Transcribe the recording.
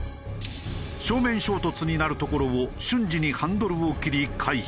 正面衝突になるところを瞬時にハンドルを切り回避。